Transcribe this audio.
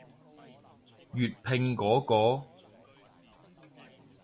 粵拼嗰個？